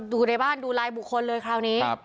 ดูในบ้านดูลายบุคคลเลยคราวนี้